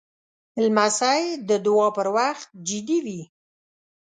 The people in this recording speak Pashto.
لمسی د دعا پر وخت جدي وي.